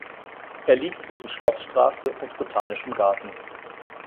Er liegt zwischen Schloßstraße und Botanischem Garten.